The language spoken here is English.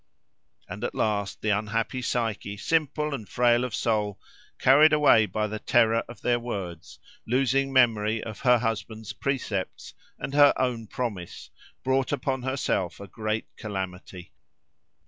And at last the unhappy Psyche, simple and frail of soul, carried away by the terror of their words, losing memory of her husband's precepts and her own promise, brought upon herself a great calamity.